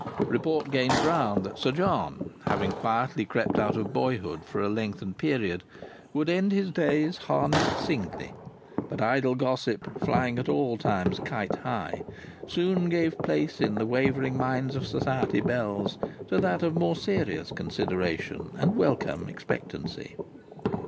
Report gained ground that Sir John, having quietly crept out of boyhood for a lengthened period, would end his days harnessed singly, but idle gossip, flying at all times kite high, soon gave place in the wavering minds of society belles to that of more serious consideration and welcome expectancy.